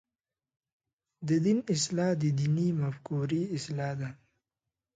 د دین اصلاح د دیني مفکورې اصلاح ده.